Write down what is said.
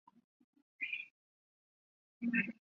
澳式足球成为了该国的国民运动。